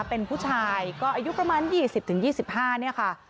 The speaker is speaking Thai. เป็นผู้ชายก็อายุประมาณ๒๐๒๕เนี่ยค่ะ